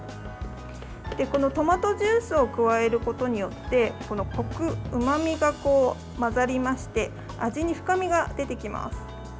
このトマトジュースを加えることによってコク、うまみが混ざりまして味に深みが出てきます。